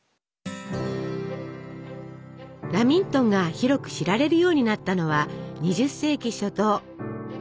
ラミントンが広く知られるようになったのは２０世紀初頭。